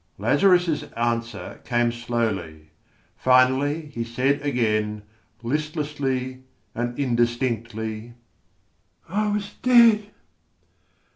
Lazarus' answer came slowly. Finally he said again, listlessly and indistinctly: "I was dead."